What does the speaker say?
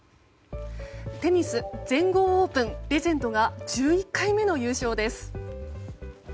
テニス全豪オープンレジェンドが１１回目の優勝です。